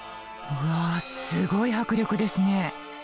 うわすごい迫力ですね。